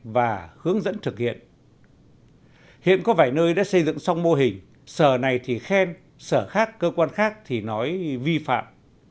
và hướng dẫn thực hiện hiện có vài nơi đã xây dựng xong mô hình sở này thì khen sở khác cơ quan khác thì nói vi phạm